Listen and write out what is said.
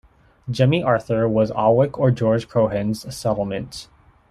"Jemmy Arther" was Aughwick or George Croghan's settlement.